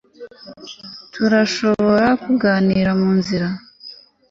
Turashobora kuganira munzira